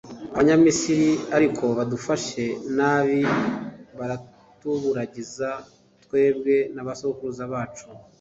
abanyamisiri ariko badufashe nabi, baratuburagiza, twebwe n’abasokuruza bacu.